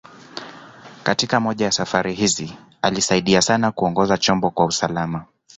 Katika moja ya safari hizi, alisaidia sana kuongoza chombo kwa usalama.